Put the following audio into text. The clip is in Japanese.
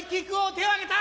手を挙げた！